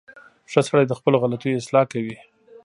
• ښه سړی د خپلو غلطیو اصلاح کوي.